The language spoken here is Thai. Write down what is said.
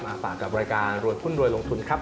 ฝากกับรายการรวยหุ้นรวยลงทุนครับ